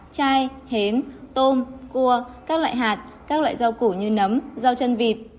chai hến tôm cua các loại hạt các loại rau củ như nấm rau chân vịt